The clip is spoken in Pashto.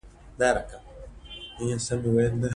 ما دې پګړۍ په سر ګنله